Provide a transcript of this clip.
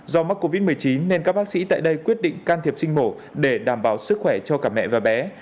do mắc covid một mươi chín nên các bác sĩ tại đây quyết định can thiệp sinh mổ để đảm bảo sức khỏe cho cả mẹ và bé